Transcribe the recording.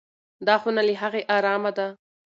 دا خونه له هغې ارامه ده.